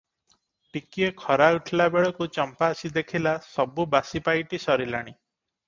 ଟିକିଏ ଖରା ଉଠିଲା ବେଳକୁ ଚମ୍ପା ଆସି ଦେଖିଲା, ସବୁ ବାସି ପାଇଟି ସରିଲାଣି ।